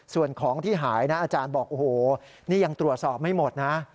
ส่วนของที่หายนะอาจารย์บอกโอ้โหนี่ยังตรวจสอบไม่หมดนะ